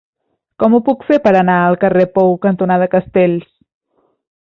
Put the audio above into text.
Com ho puc fer per anar al carrer Pou cantonada Castells?